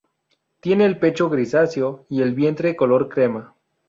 Tiene el pecho grisáceo y el vientre color crema.